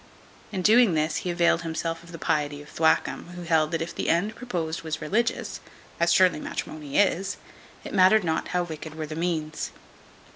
In doing this he availed himself of the piety of Thwackum, who held, that if the end proposed was religious (as surely matrimony is), it mattered not how wicked were the means.